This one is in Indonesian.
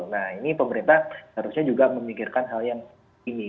nah ini pemerintah harusnya juga memikirkan hal yang ini